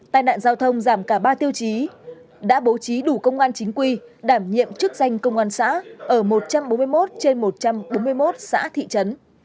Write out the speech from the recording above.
tai nạn giao thông giảm cả ba tiêu chí đã bố trí đủ công an chính quy đảm nhiệm chức danh công an xã ở một trăm bốn mươi một trên một trăm bốn mươi một xã thị trấn